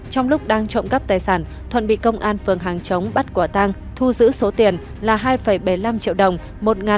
trong lúc đang trộm cắp tài sản thuận bị công an phường hàng chống bắt quả tang thu giữ số tiền là hai bảy mươi năm triệu đồng